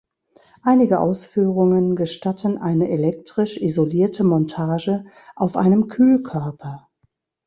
Einige Ausführungen gestatten eine elektrisch isolierte Montage auf einem Kühlkörper.